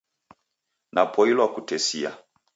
Napoilwa kukutesia.